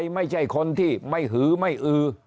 ไม่ใช่คนที่ไม่หือไม่อือ